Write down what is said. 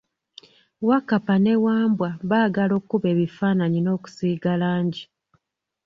Wakappa ne Wambwa baagala okuba ebifananyi n'okusiiga langi.